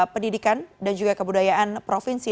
pendidikan dan juga kebudayaan provinsi